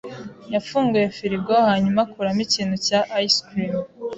yafunguye firigo hanyuma akuramo ikintu cya ice cream.